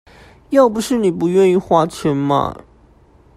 要是妳不願意花錢買